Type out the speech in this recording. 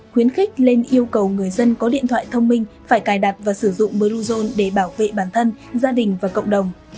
khuyến khích lên yêu cầu người dân có điện thoại thông minh phải cài đặt và sử dụng bluezone để bảo vệ bản thân gia đình và cộng đồng